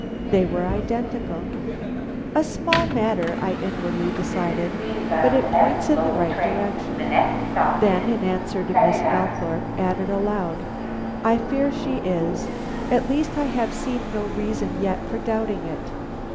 They were identical. "A small matter," I inwardly decided, "but it points in the right direction"; then, in answer to Miss Althorpe, added aloud: "I fear she is. At least I have seen no reason yet for doubting it.